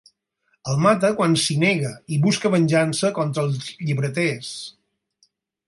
El mata quan s'hi nega i busca venjança contra els llibreters.